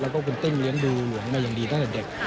แล้วก็คุณเต้นเลี้ยงดูหลวงมาอย่างดีตั้งแต่เด็ก